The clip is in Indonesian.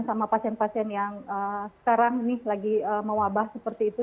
sama pasien pasien yang sekarang ini lagi mewabah seperti itu